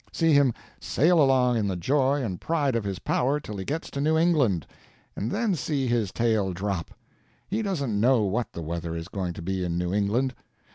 See him sail along in the joy and pride of his power till he gets to New England, and then see his tail drop. He doesn't know what the weather is going to be in New England.